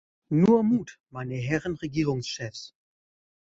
Nur Mut, meine Herren Regierungschefs!